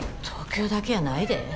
東京だけやないで。